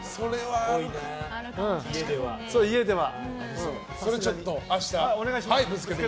家では。